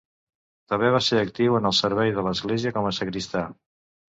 També va ser actiu en el servei de l'església com a sagristà.